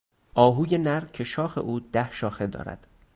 آهوی نر که شاخ او ده شاخه دارد